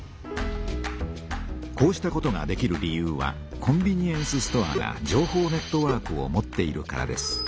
こうしたことができる理由はコンビニエンスストアが情報ネットワークを持っているからです。